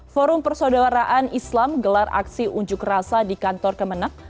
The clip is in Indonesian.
forum persaudaraan islam gelar aksi unjuk rasa di kantor kemenang